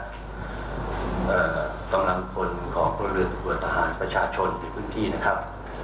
กำลังคนของกรรมเรือนตัวตัวต่อหารประชาชนในพื้นที่นะครับ